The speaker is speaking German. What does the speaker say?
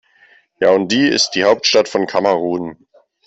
Yaoundé ist die Hauptstadt von Kamerun.